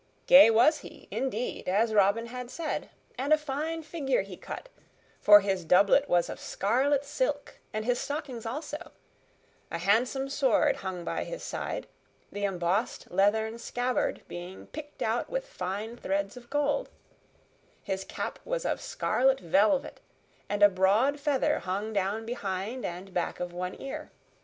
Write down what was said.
Gay was he, indeed, as Robin had said, and a fine figure he cut, for his doublet was of scarlet silk and his stockings also; a handsome sword hung by his side, the embossed leathern scabbard being picked out with fine threads of gold; his cap was of scarlet velvet, and a broad feather hung down behind and back of one ear.